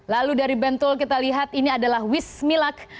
lalu dari bentul kita lihat ini adalah wismilak